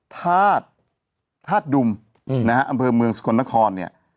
ทาดดุมอำเภอเมืองสกลนครเนี่ย